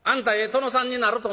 殿さんになると思うわ。